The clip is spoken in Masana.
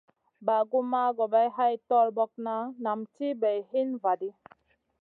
Bagumna gobay hay torbokna nam ti bay hin va ɗi.